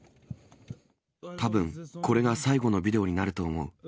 たぶんこれが最期のビデオになると思う。